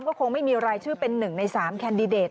ก็คงไม่มีรายชื่อเป็น๑ใน๓แคนดิเดต